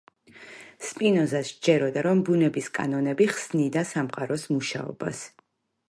სპინოზას სჯეროდა რომ ბუნების კანონები ხსნიდა სამყაროს მუშაობას.